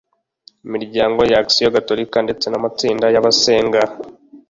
imiryango y’action Gatolika ndetse n’amatsinda y’abasenga